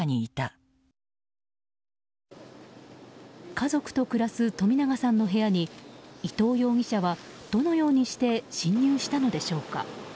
家族と暮らす冨永さんの部屋に伊藤容疑者はどのようにして侵入したのでしょうか。